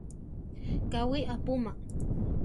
Káwi apúma.